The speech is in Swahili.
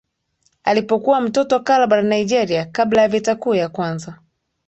alipokuwa mtoto Calabar Nigeria kabla ya Vita Kuu ya Kwanza